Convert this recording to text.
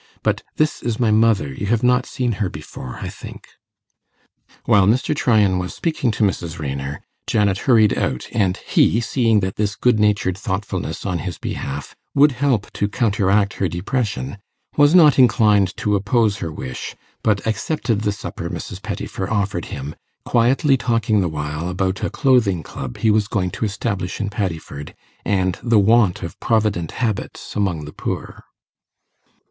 But this is my mother; you have not seen her before, I think.' While Mr. Tryan was speaking to Mrs. Raynor, Janet hurried out, and he, seeing that this good natured thoughtfulness on his behalf would help to counteract her depression, was not inclined to oppose her wish, but accepted the supper Mrs. Pettifer offered him, quietly talking the while about a clothing club he was going to establish in Paddiford, and the want of provident habits among the poor.